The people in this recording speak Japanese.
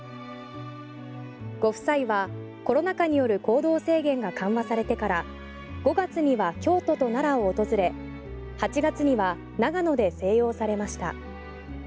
ご夫妻はコロナ禍による行動制限が緩和されてから５月には京都と奈良を訪れ８月には長野で静養されました。